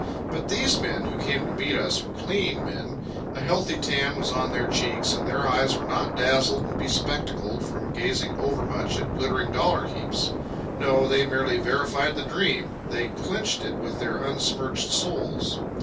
But these men who came to meet us were clean men. A healthy tan was on their cheeks, and their eyes were not dazzled and bespectacled from gazing overmuch at glittering dollar heaps. No, they merely verified the dream. They clinched it with their unsmirched souls.